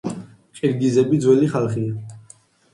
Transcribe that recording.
ყირგიზები ძველი ხალხია.